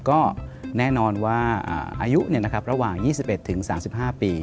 ก็แน่นอนว่าอายุระหว่าง๒๑๓๕ปี